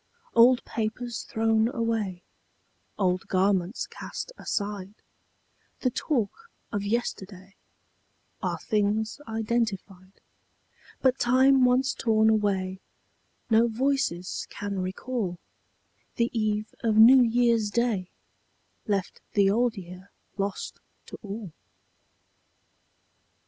Old papers thrown away, Old garments cast aside, The talk of yesterday, Are things identified; But time once torn away No voices can recall: The eve of New Year's Day Left the Old Year lost to all.